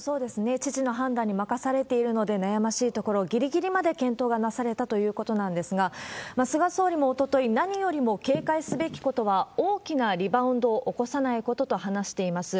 知事の判断に任されているので、悩ましいところ、ぎりぎりまで検討がなされたということなんですが、菅総理もおととい、何よりも警戒すべきことは大きなリバウンドを起こさないことと話しています。